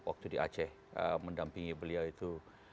waktu di aceh mendampingi beliau itu